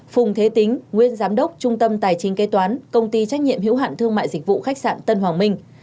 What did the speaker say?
phùng thế tính nguyên giám đốc trung tâm tài chính kế toán công ty trách nhiệm hữu hạn thương mại dịch vụ khách sạn tân hoàng minh